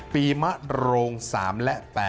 ปีมะโรง๓และ๘